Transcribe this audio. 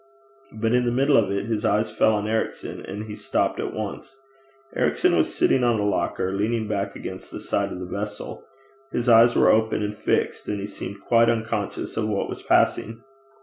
But in the middle of it his eyes fell on Ericson, and he stopped at once. Ericson was sitting on a locker, leaning back against the side of the vessel: his eyes were open and fixed, and he seemed quite unconscious of what was passing.